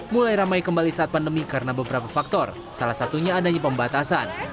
mulai ramai kembali saat pandemi karena beberapa faktor salah satunya adanya pembatasan